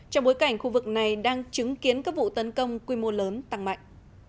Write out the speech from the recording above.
trong bối cảnh khu vực này đang chứng kiến các vụ tấn công quy mô lớn tăng mạnh